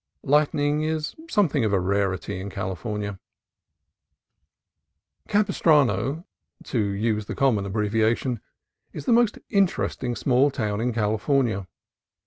Lightning is something of a rarity in California. SAN JUAN CAPISTRANO 29 Capistrano — to use the common abbreviation — is the most interesting small town in California.